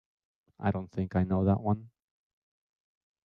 I don't think I know that one.